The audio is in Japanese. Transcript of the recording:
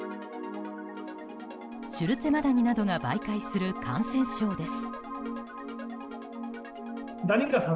シュルツェマダニなどが媒介する感染症です。